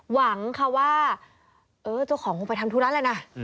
หวังค่ะว่าเออเจ้าของคงไปทำธุระแหละนะ